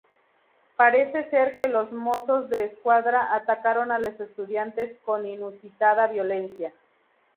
Parece ser que los Mozos de Escuadra atacaron a los estudiantes con inusitada violencia.